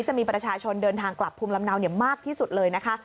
จะมีประชาชนเดินทางกลับภูมิลำเนามากที่สุดเลยนะคะ